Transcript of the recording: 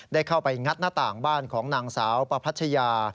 ได้เข้าไปงัดหน้าต่างบ้านของนางสาวประพัชยา